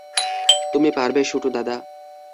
তুমি পারবে, শুটুদাদা।